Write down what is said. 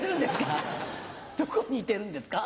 どこにいてるんですか？